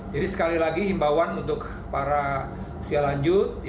jadi sekali lagi didikati imbauan para usia lanjut